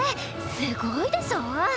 すごいでしょ！